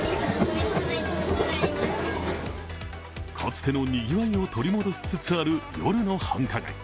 かつてのにぎわいを取り戻しつつある夜の繁華街。